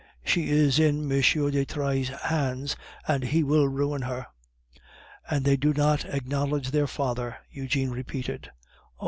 She is in M. de Trailles' hands, and he will ruin her." "And they do not acknowledge their father!" Eugene repeated. "Oh!